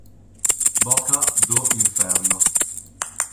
Boca do Inferno